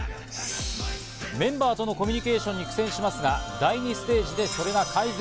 メンバーとのコミュニケーションで苦戦しますが第２ステージでそれが改善。